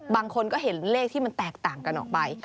บางคนก็เห็นเลขที่มันแตกต่างกันออกไป